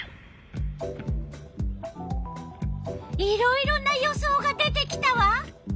いろいろな予想が出てきたわ。